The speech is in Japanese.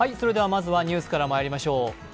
まずはニュースからまいりましょう。